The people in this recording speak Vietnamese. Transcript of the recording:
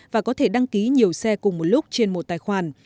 và có thể đăng ký nhiều xe cùng một lúc trên một tài khoản